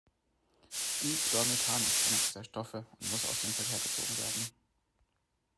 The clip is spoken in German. Dichlormethan ist einer dieser Stoffe und muss aus dem Verkehr gezogen werden.